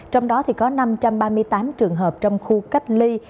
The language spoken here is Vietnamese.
trong đó có năm trăm ba mươi tám trường hợp trong khu cách ly